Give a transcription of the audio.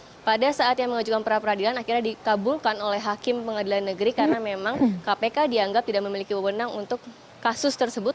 kemudian pada saat yang mengajukan perapradilan akhirnya dikabulkan oleh hakim pengadilan negeri karena memang kpk dianggap tidak memiliki wewenang untuk kasus tersebut